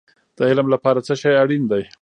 د علم لپاره څه شی اړین دی؟